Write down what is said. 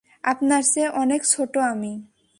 আপনার চেয়ে অনেক ছোট আমি।